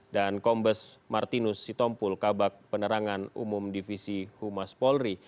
dan kombes martinus sitompul kabak penerangan umum divisi humas polri